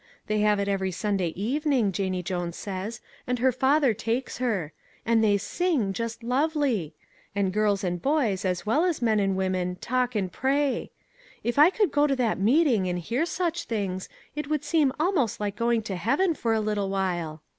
They have it every Sunday eve ning, Janie Jones says, and her father takes her ; and they sing, just lovely ! And girls and boys, as well as men and women, talk and pray. If I could go to that meeting and hear such things, it would seem almost like going to heaven for a little while.